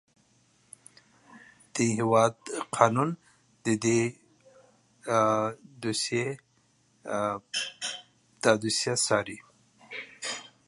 An investigation about this matter is being currently performed by legislature.